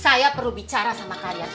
saya perlu bicara sama karya